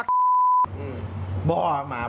อั้นอย่าติมหาง